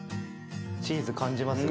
チーズ感じます？